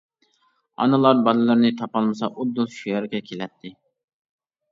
ئانىلار باللىرىنى تاپالمىسا ئۇدۇل شۇ يەرگە كېلەتتى.